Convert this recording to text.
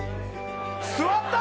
座った。